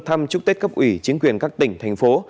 thăm chúc tết cấp ủy chính quyền các tỉnh thành phố